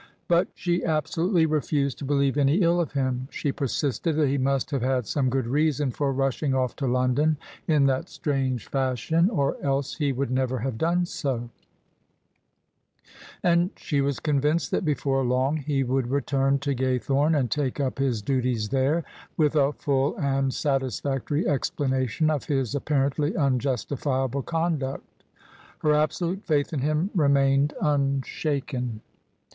But she absolutely refused to believe any ill of him. She persisted that he must have had some good reason for rushing off to London in that strange fashion, or else he would never have done so; and she was convinced that before long he would return to Ga3rthome and take up his duties there, with a full and satisfactory explanation of his apparently unjustifiable conduct Her absolute faith in him remained unshaken.